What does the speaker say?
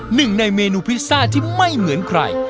หนึ่งในเมนูพิซซ่าที่ไม่เหมือนใคร